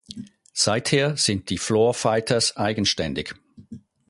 Seither sind die Floor Fighters eigenständig.